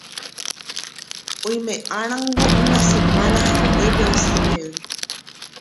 Oimeʼarãngo una semanahaguépe osẽjey.